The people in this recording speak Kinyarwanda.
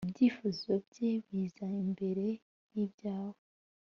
Ibyifuzo bye biza imbere y’ibyawe (egoisme exagere)